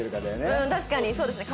うん確かにそうですね。